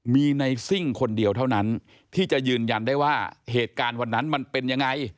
มีในซิ่งคนเดียวเท่านั้นที่จะยืนยันได้ว่าเหตุการณ์วันนั้นมันเป็นยังไง